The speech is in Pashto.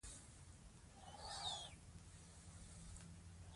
ماشومان په لوبو کې د خپلو حقونو اهمیت زده کوي.